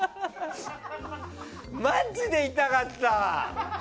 マジで痛かった。